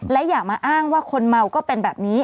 และอย่ามาอ้างว่าคนเมาก็เป็นแบบนี้